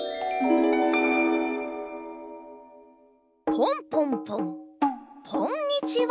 ポンポンポンポンにちは。